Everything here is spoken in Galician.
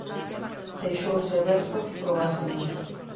Deixouse aberto a que probásemos.